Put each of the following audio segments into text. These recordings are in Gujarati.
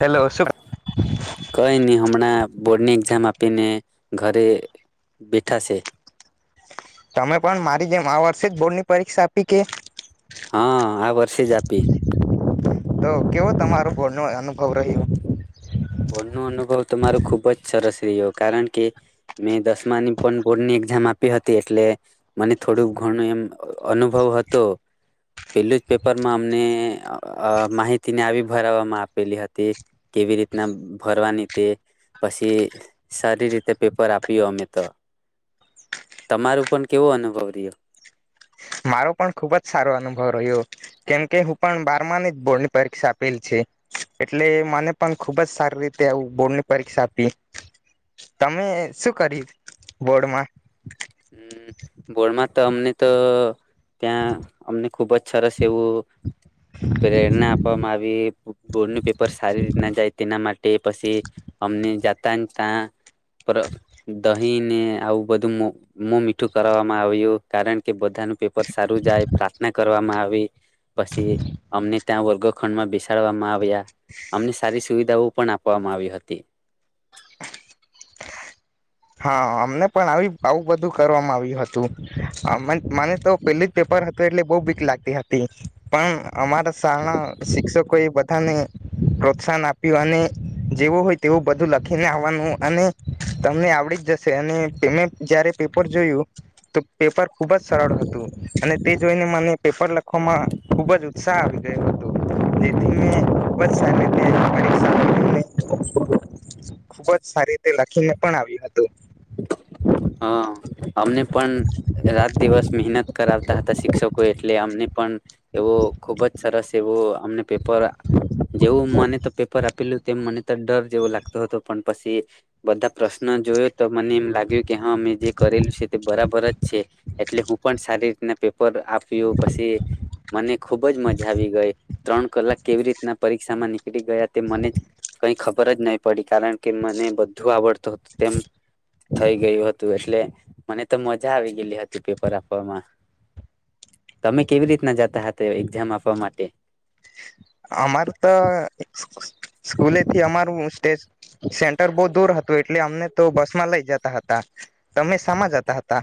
હેલો શુભ [inaudible] બોર્ડ ની એક્ઝામ આપીને ઘરે બેઠાશે. તમે પણ મારી જેમ આ વર્ષે જ બોર્ડ ની પરીક્ષા આપી કે? હા આ વર્ષે જ આપી. તો કેવો તમારું બોર્ડ નો અનુભવ રહ્યો? બોર્ડ નો અનુભવ તો મારો ખુબ જ સરસ રહ્યો. કારણ કે મેં દસમાની પણ બોર્ડની એક્ઝામ આપી હતી એટલે મને થોડું ઘણું એમ અનુભવ હતો. પેલું જ પેપરમાં અમને અ માહિતીને આવી ભરાવામાં આપેલી હતી કેવી રીતે ના ભરવાની તે પશી સારી રીતે પેપર આપ્યો અમે તો. તમારું પણ કેવો અનુભવ રહ્યો? મારો પણ ખુબ જ સારો અનુભવ રહ્યો. કેમકે હું પણ બારમાની જ બોર્ડ ની પરીક્ષા આપેલી છે. એટલે મને પણ ખુબ જ સારી રીતે આવું બોર્ડની પરીક્ષા આપી. તમે શું કર્યું બોર્ડમાં? હમ્મ બોડમાં તો અમને તો ત્યાં અમને ખૂબ જ સરસ તેવું પ્રેરણા આપવામાં આવી. બોર્ડ નું પેપર સારી રીત ના જાય તેના માટે તે પશી અમને જાતા ત્યાં દહીને આવું બધું મો મીઠું કરાવવામાં આવ્યું કારણ કે બધાનું પેપર સારું જાય. પ્રાથના ક કરવામાં આવી પશી અમને ત્યાં વર્ગખંડમાં બેસાડવામાં આવ્યા અમને સારી સુવિધાઓ પણ આપવામાં આવી હતી. હા, અમને પણ આવી આવું બધું કરવામાં આવ્યું હતું અમ માને તો પેલી જ પેપર હ તું એટલે બહુ બીક લાગતી હતી. પણ અમારા શાળા શિક્ષકો એ બધાને પ્રોત્સાહન આપ્યું અને જેવું હોય તેવું બધું લખીને આવવાનું અને તમને આ ડી જ જશે અને પેમેન્ જયારે પેપર જોયું તો પેપર ખુબ જ સરળ હતું અને તે જોઈને મને પેપર લખ ઉમા ખુબ જ ઉત્સાહ આવી ગયો હતો. જેથી મે ખુબજ સારી રીતે પરીક્ષા [inaudible] ખૂબ જ સારી રીતે લખીને પણ આવ્યો તો. [unintelligible] હા. અમને પણ રાત દિવસ મહેનત કરાવતા હતા શિક્ષકો એટલે અમને પણ એવું ખુબ જ સરસ એવું અમને પેપર જેવું મને તો પેપર આપેલું તેમ મને ડર જેવો લાગતો હતો પણ પછી. બધા પ્રશ્ન જોયો તો મને લાગ્યું કે હા મેં જે કરેલું છે તે બરાબર જ છે. એટલે હું પણ સારી રીતના પેપર આપ્યું પછી મને ખુબ જ મજા આવી ગઈ. ત્રણ કલાક કેવી રીતના પરીક્ષા કારણ કે મને બધું આવડતું હતું તેમ થઈ ગયું હતું. એટલે મને તો મઝા આવી ગયલી હતી પેપર આપવામાં. તમે કેવી રીતના જતા હતા એક્ઝામ આપવા માટે? અમાર તો એ સ્કૂલેથી અમારું [unintelligible] સેન્ટર બહુ દૂર હતું એટલે અમને તો બસ માં લઈ જતા હતા. તમે સામા જતા હતા.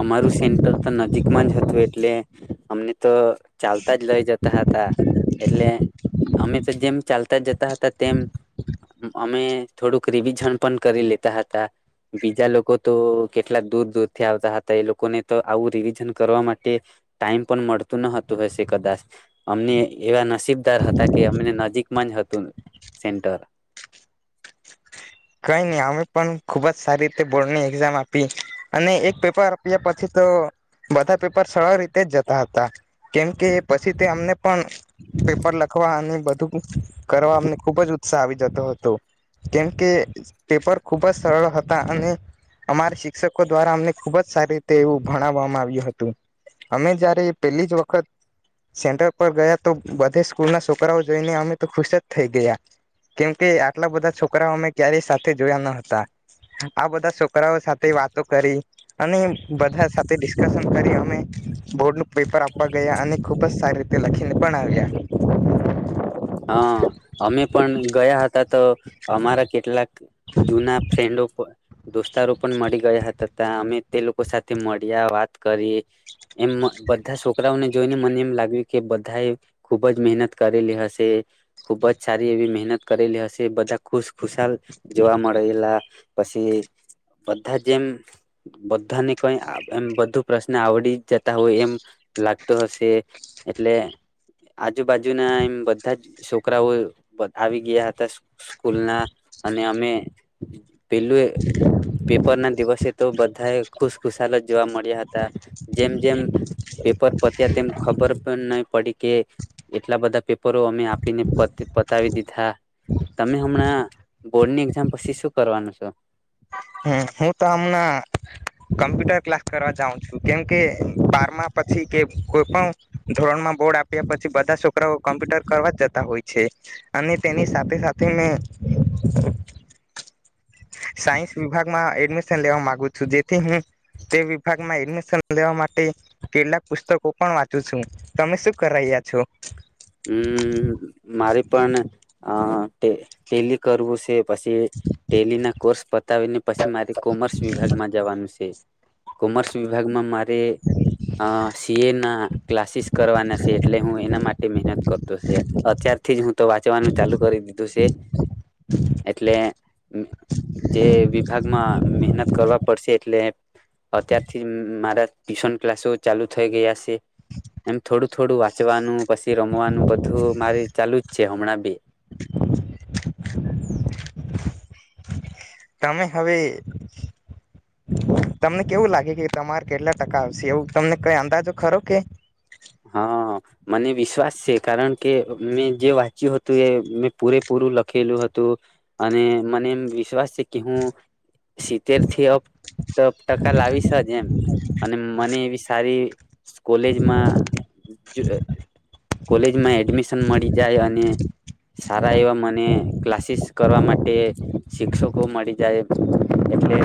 અમારું સેન્ટર તો નજીકમાં જ હતું એટલે અમને ત ચાલતા જ લઈ જતા હતા. એટલે અમે ત જેમ ચાલતા જ જતા હતા તેમ અમે થોડુંક રિવિઝન પણ કરી લેતા હતા. બીજા લોકો તો કેટલા દૂર દૂર થી આવતા હતા. એ લોકોને તો આવું રિવિઝન કરવા માટે ટાઈમ પણ મડતું ન હતું. વેશે કદાચ અમને એવા [unintelligible] હતા કે અમને નજીકમાં જ હત તું સેન્ટર ખૂબ જ સારી રીતે બોર્ડની એક્ઝામ આપી. અને એક પેપર આપ્યા પછી તો બધા પેપર સરળ રીતે જ જતા હતા. કેમકે પછી તે અમને પણ પેપર લખવા અને બધું. કરવા અમને ખુબ જ ઉત્સાહ આવી જતો હતો. કેમકે પેપર ખુબ જ સરળ હતા. અને અમારા શિક્ષકો દ્વારા અમને ખુબ જ સારી રીતે એવું ભણાવવામાં આવ્યું હતું. અમે જયારે પેલી જ વખત સેન્ટર પર ગયા તો બધે સ્કૂલના છોકરાઓ જઈને અમે તો ખુશ જ થઈ ગયા. કેમકે આટલા બધા છોકરાઓ અમે ક્યારેય સાથે જોયા ન હતા. આ બધા છોકરાઓ સાથે વાતો કરી. અને બધા સાથે ડિસ્કશન કરી અમે બોર્ડનું પેપર આપવા ગયા અને ખૂબ જ સારી તે લખીને પણ આવ્યા. હા અમે પણ ગયા હતા. ત અમારા કેટલાક જૂના ફ્રેન્ડો દોસ્તારો પણ મળી ગયા હતા. તા અમે તે લોકો સાથે મળ્યા વાત કરી. એમ બધા છોકરાઓને જોઈને મને એમ લાગ્યું કે બધા એ ખુબ જ મહેનત કરેલી હશે. તે ખુબ જ સારી એવી મહેનત કરેલી હશે. બધા ખુશ ખુશાલ જોવા મડેલા. પછી બધા જેમ બધાને કઈ એમ બધું પ્રશ્ન આવડી જતા હોય એમ લાગતું હશે. એટલે આજુબાજુના એમ [unintelligible] બધા છોકરાઓ આવી ગયા હતા. સ્કૂલ ના અને અમે પેલું એ પેપર ના દિવસે તો બ બધાય ખુસખુશાલ જ જોવા મળ્યા હતા જેમ જેમ પેપર પત્યા તેમ ખબર પણ નહી પડી કે એટલા બધા પેપર અમે આપીને પતાવી દીધા તમે હમણાં બોર્ડની એક્ઝામ પછી શું કરવાનું છો હમ હું તો હમણા કમ્પ્યુટર ક્લાસ કરવા જાઉં છું કેમ કે એ બારમા પછી કે કોઈ પણ ધોરણમાં બોડા પછી બધા છોકરાઓ કોમ્પ્યુટર કરવા જતા હોય છે, અને તેની સાથે સાથે મેં સાયન્સ એડમિશન લેવા માગુ છું જેથી હું તે વિભાગમાં એડમિશન લેવા માટે કેટલાક પુસ્તકો પણ વાંચું છું, તમે શું કરી રહ્યા છો હમ મારી પણ અ ટેલી કરવું સે પછી ટેલી ના કોર્સ પતાવીને પછી મારે કોમર્સ વિભાગમાં જવાનું સે કોમર્સ વિભાગમાં મારી અ સીએ ના ક્લાસીસ કરવાના સે એટલે હું એના માટે મહેનત કરતો છે અત્યારથી જ હું તો વાંચવાનું ચાલુ કરી દીધું સે એટલે જે વિભાગમાં મહેનત કરવા પડશે એટલે અત્યારથી મારા ટ્યુશન ક્લાસો ચાલુ થઈ ગયા સે એમ થોડું થોડું વાંચવાનું પછી રમવાનું બધું મારી ચાલુ જ છે હમણાં બી તમે હવે તમને કેવું લાગે કે તમારે કેટલા ટકા આવશે એવું તમને કઈ અંદાજો ખરો કે હા, મને વિશ્વાસ છે કારણ કે મેં જે વાંચ્યું હતું એ મેં પૂરેપૂરું લખેલું હતું અને મને એમ વિશ્વાસ છે કે હું સિતેર થી અપ ટકા લાવીશ જ એમ અને મને એવી સારી કોલેજમાં કોલેજમાં એડમિશન મળી જાય અને સારા એવા મને ક્લાસીસ કરવા માટે શિક્ષકો મળી જાય એટલે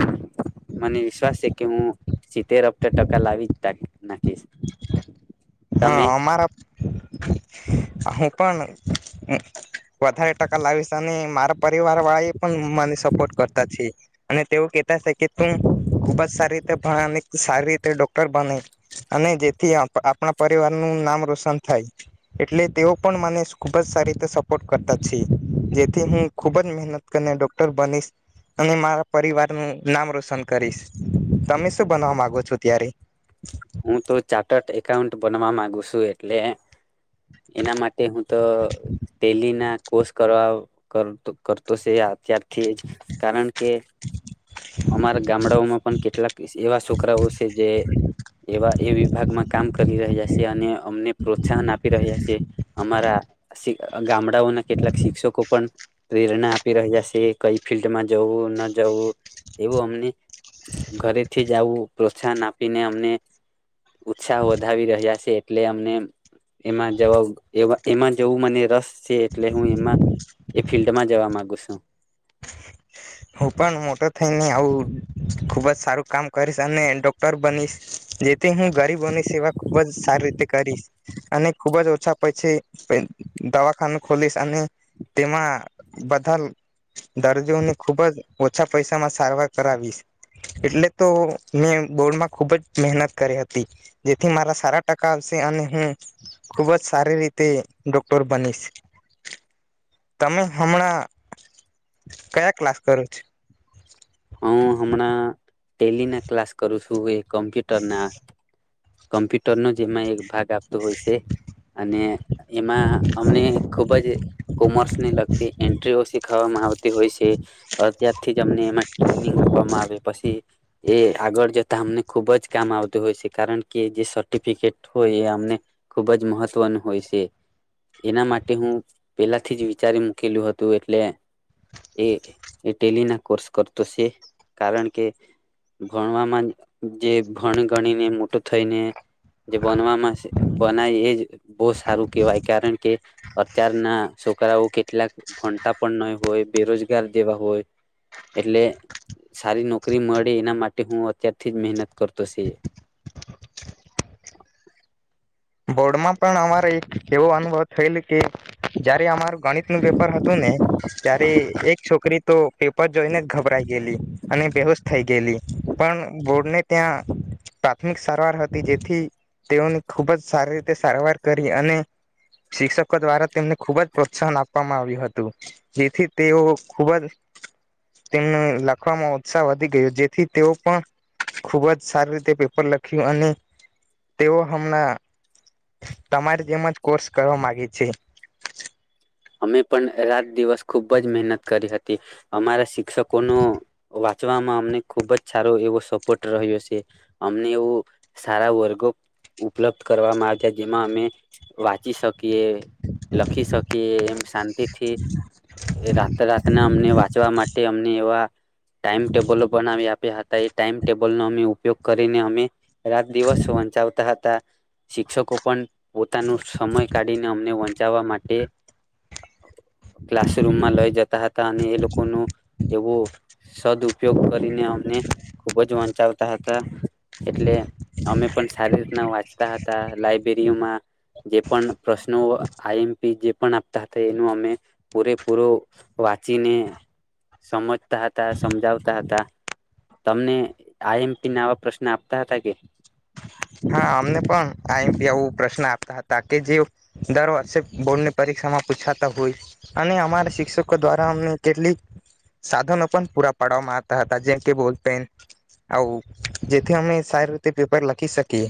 મને વિશ્વાસ છે કે હું સિત્તેર અપ ટકા લાવી જ નાખીશ તમે હા અમારા હું પણ વધારે ટકા લાવીશ અને મારા પરિવાર વાળી પણ મને સપોર્ટ કરતા છે અને તેઓ કહેતા છે કે તું ખુબ જ સારી રીતે ભ અને સારી રીતે ડોક્ટર બને અને જેથી આપણા પરિવારનું નામ રોશન થાય એટલે તેઓ પણ મને ખૂબ જ સારી રીતે સપોર્ટ કરતા છે જેથી હું ખુબ જ મહેનત કરીને ડોક્ટર બનીશ અને મારા પરિવારનું નામ રોશન કરીશ, તમે શું બનવા માગો છો ત્યારે હું તો ચાર્ટર્ડ એકાઉન્ટ બનવા માગુ છું એટલે એના માટે હું તો તેલી ના કોષ કરવા કરતો છે અત્યારથી જ કારણ કે અમારા ગામડાઓમાં પણ કેટલાક એવા છોકરાઓ સે જે એવા એ વિભાગમાં કામ કરી રહ્યા સે અને અમને પ્રોત્સાહન આપી રહ્યા સે અમારા ગામડા ના કેટલાક શિક્ષકો પણ પ્રેરણા આપી રહ્યા છે, કઈ ફિલ્ડમાં જવું ન જવું એવું અમને ઘરેથી જ આવું પ્રોત્સાહન આપીને અમને ઉત્સાહ વધાવી રહ્યા છે એટલે અમને એમાં જવા એમાં જવું મને રસ એટલે હું એમાં એ ફિલ્ડમાં જવા ગુ છું હું પણ મોટો થઈને આવું ખુબ જ સારું કામ કરીશ અને ડોક્ટર બનીશ જેથી હું ગરીબોની સેવા ખુબ જ સારી રીતે કરીશ અને ખુબ જ ઓછા પછી દવાખાનું ખોલીશ અને તેમાં બધા દર્દીઓને ખૂબ જ ઓછા પૈસામાં સારવાર કરાવીશ એટલે તો મેં બોર્ડમાં ખૂબ જ મહેનત કરી હતી જેથી મારા સારા ટકા આવશે અને હું ખૂબ જ સારી રીતે ડોક્ટર બનીશ તમે હમણાં કયા ક્લાસ કરું છે હું હમણાં ટેલી ના ક્લાસ કરું છું એ કમ્પ્યુટર ના કમ્પ્યુટર જે એક ભાગ આપતો હોય છે અને એમાં અમને ખુબ જ કોમર્સ ને લગતી એન્ટ્રી ઓ શીખ થવામાં આવતી હોય છે અત્યારથી જ અમને એમાં ટ્રેનિંગ આપવામાં આવે પછી એ આગળ જતા અમને ખુબ જ કામ આવતું હોય છે કારણ કે જે સર્ટિફિકેટ હોય એ અમને ખુબ જ મહત્વનું હોય છે એના માટે હું પેલાથી જ વિચારી મૂકેલું હતું એટલે એ ટેલી ના કોર્સ કરતો છે કારણ કે ભણવામાં જે ભણ ગણીને મોટો થઈને જે બનવામાં બનાય એ જ બહુ સારું કેહેવાય કારણ કે અતારના છોકરાઓ કેટલાક ભણતા પણ નહી હોય બેરોજગાર જેવા હોય એટલે સારી નોકરી મળે એના માટે હું અત્યારથી જ મહેનત કરતો છ બોર્ડમાં પણ અમારે એક એવો અનુભવ થયેલો કે જયારે અમારું ગણિતનું પેપર હતું ને ત્યારે એક છોકરી તો પેપર જોઈને જ ગભરાઈ ગયેલી અને બેહોશ થઈ ગયેલી પણ બોર્ડને ત્યાં પ્રાથમિક સારવાર હતી જેથી તેઓની ખૂબ જ સારી રીતે સારવાર કરી અને શિક્ષકો દ્વારા તેમને ખુબ જ પ્રોત્સાહન આપવામાં આવ્યું હતું જેથી તેઓ ખૂબ જ તેમને લખવામાં ઉત્સાહ વધી ગયો જેથી તેઓ પણ ખૂબ જ સારી રીતે પેપર લખ્યું અને તેઓ હમણાં તમારે જેમ જ કોર્સ કરવા માગે છે અમે પણ રાત દિવસ ખૂબ જ મહેનત કરી હતી અમારા શિક્ષકોનો વાંચવામાં અમને ખૂબ જ સારો એવો સપોર્ટ રહ્યો છે અમને એવું સારા વર્ગો ઉપલબ્ધ કરવામાં આવ્યા જેમાં અમે વાંચી શકીએ લખી શકે એમ શાંતિથી રાત રાતને અમને વાંચવા માટે અમને એવા ટાઈમ ટેબલો બનાવી આપ્યા હતા એ ટાઈમ ટેબલનો અમે ઉપયોગ કરીને અમે રાત દિવસ વચાવતા હતા શિક્ષકો પણ પોતાનું સમય કાઢીને અમને વંચાવવા માટે ક્લાસરૂમમાં લઈ જતા હતા અને એ લોકો ન એવું સદ ઉપયોગ કરીને અમને ખુબ જ વંચાવતા હતા એટલે અમે પણ સારી રીતના વાંચતા હતા લાબ્રેરીઓમાં જે પણ પ્રશ્નો આઈ એમપી જે પણ આપતા હતા એનું અમે પૂરેપૂરો વાંચીને સમજતા હતા સમજાવતા હતા તમને આઈ એમપી નાવા પ્રશ્ન આપતા હતા કે હા અમને પણ આઈએમપી આવું પ્રશ્ન હતા કે જે દર વર્ષે બોર્ડ ની પરીક્ષામાં પૂછાતા હોય અને અમારા શિક્ષકો દ્વારા અમને કેટલીક સાધનો પણ પૂરા પાડવામાં આવતા હતા જેમ કે બોલ પેન આવું જેથી અમે સારી રીતે પેપર લખી શકી કે